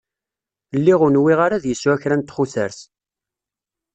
Lliɣ ur nwiɣ ara ad yesεu kra n txutert.